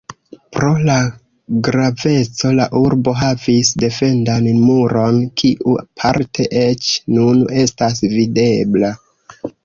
Pro la graveco la urbo havis defendan muron, kiu parte eĉ nun estas videbla.